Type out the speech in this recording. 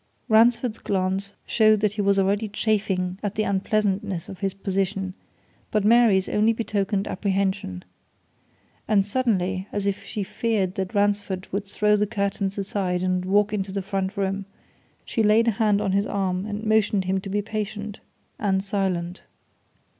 Ransford's glance showed that he was already chafing at the unpleasantness of his position but Mary's only betokened apprehension. And suddenly, as if she feared that Ransford would throw the curtains aside and walk into the front room, she laid a hand on his arm and motioned him to be patient and silent.